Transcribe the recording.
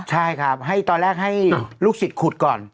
ใช่ครับให้ตอนแรกให้ลูกศิษย์ขุดก่อน